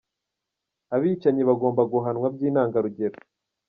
Abicanyi bagomba guhanwa by'intanga rugero.